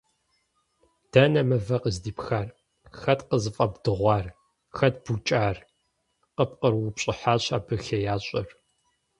- Дэнэ мывэр къыздипхар? Хэт къызыфӀэбдыгъуар? Хэт букӀар? - къыпкърыупщӀыхьащ абы хеящӀэр.